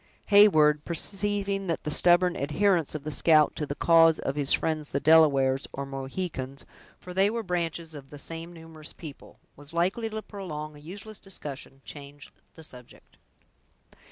Heyward, perceiving that the stubborn adherence of the scout to the cause of his friends the Delawares, or Mohicans, for they were branches of the same numerous people, was likely to prolong a useless discussion, changed the subject.